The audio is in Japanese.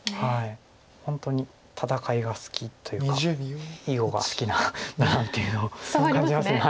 本当に戦いが好きというか囲碁が好きなんだなっていうのを感じます。